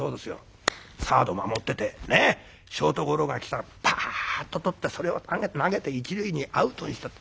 サード守っててショートゴロが来たらパッととってそれを投げて一塁にアウトにしたって。